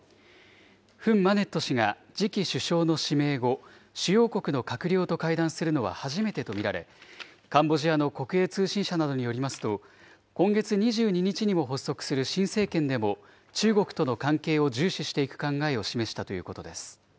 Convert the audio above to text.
フン・マネット氏が次期首相の指名後、主要国の閣僚と会談するのは初めてと見られ、カンボジアの国営通信社などによりますと、今月２２日にも発足する新政権でも、中国との関係を重視していく考えを示したということです。